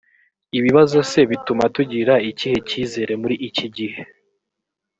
ibibazo se bituma tugira ikihe cyizere muri iki gihe